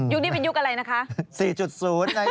นี้เป็นยุคอะไรนะคะ